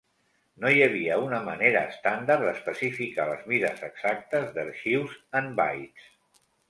No hi havia una manera estàndard d'especificar les mides exactes d'arxius en bytes.